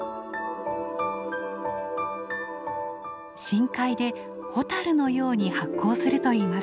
深海でホタルのように発光するといいます。